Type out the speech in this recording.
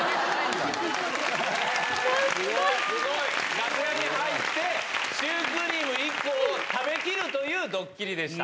楽屋に入って、シュークリーム１個を食べきるというドッキリでした。